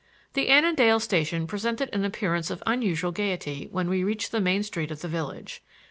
The Annandale station presented an appearance of unusual gaiety when we reached the main street of the village.